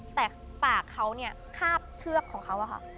แต่ปากเขาเนี่ยคาบเชือกของเขาอะค่ะ